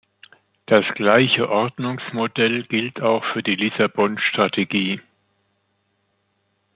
Das gleiche Ordnungsmodell gilt auch für die Lissabon-Strategie.